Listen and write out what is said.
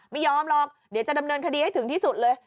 ไม่ยอมหรอกเดี๋ยวจะดำเนินคดีให้ถึงที่สุดเลย